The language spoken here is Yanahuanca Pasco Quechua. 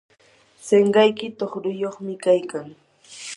sinqayki tuqruyuqmi kaykan.